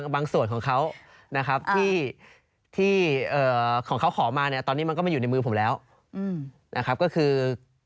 บางส่วนของเขานะครับที่ของเขาขอมาเนี่ยตอนนี้มันก็มาอยู่ในมือผมแล้วนะครับก็คือ